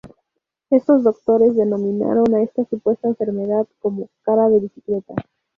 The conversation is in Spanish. Estos doctores denominaron a esta supuesta enfermedad como "cara de bicicleta".